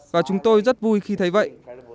và chúng tôi rất vui khi thấy vậy